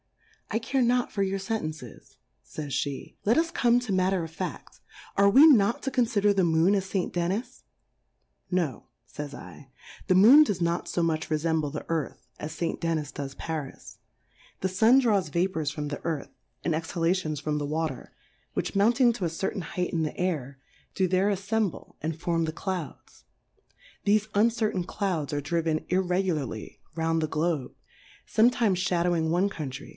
I care not for your Sen tences, fo)s (he^ let us come to Matter of Faft. Are we not to confider the Moon as St. Dennis ? No, fays 7, the Moon does not fo much refemble the Earth, as St, Dennis does Paris : The Sun draws Vapours from the Earth, and Exhalations from the Water, which mounting to a certain height in the Air, do 7 1 DifcouxfQs on the do there aflemble and form the Clouds ; thefe uncertain Clouds are driven irre gularly round the Globe^ fometimes ihadowing one Country